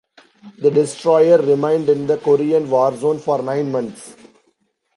The destroyer remained in the Korean War zone for nine months.